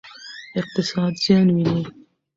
اقتصاد زیان ویني.